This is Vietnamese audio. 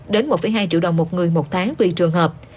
đến một hai triệu đồng một người một tháng tùy trường hợp